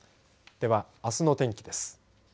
では、あすの天気です。